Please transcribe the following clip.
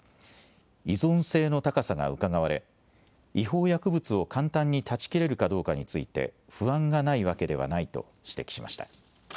依存性の高さがうかがわれ、違法薬物を簡単に断ち切れるかどうかについて不安がないわけではないと指摘しました。